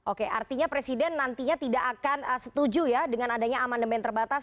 oke artinya presiden nantinya tidak akan setuju ya dengan adanya amandemen terbatas